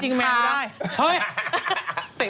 คุณแม่อยู่เฉย